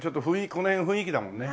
この辺雰囲気だもんね。